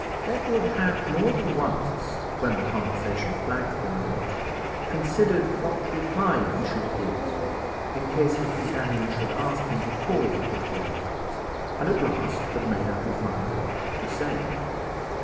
Edward had more than once, when the conversation flagged for a minute, considered what reply he should give in case his companion should ask him the cause of his journey, and at last had made up his mind what to say.